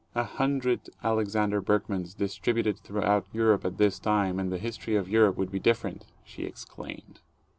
"A hundred Alexander Berkmans distributed throughout Europe at this time, and the history of Europe would be different!" she exclaimed.